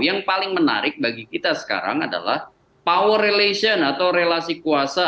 yang paling menarik bagi kita sekarang adalah power relation atau relasi kuasa